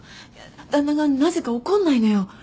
旦那がなぜか怒んないのよ。